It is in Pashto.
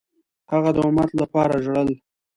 هغه د امت لپاره ژړل.